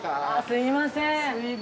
すいません。